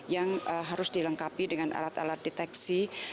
yang harus dilengkapi dengan alat alat deteksi